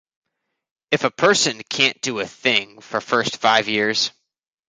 If a person can't do a thing for first five years.